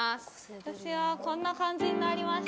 私はこんな感じになりました。